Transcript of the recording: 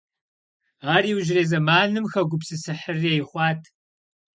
Ар иужьрей зэманым хэгупсысыхьрей хъуат.